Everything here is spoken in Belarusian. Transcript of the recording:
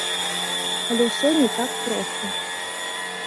Але ўсё не так проста.